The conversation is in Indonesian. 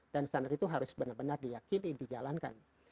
dan standar itu harus benar benar diyakini dijalankan